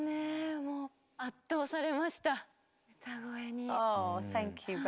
もう圧倒されました歌声に。